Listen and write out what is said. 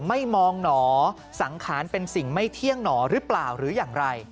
ไม่มองหนอสังขารเป็นสิ่งไม่เที่ยงหนอหรือเปล่าหรืออย่างไร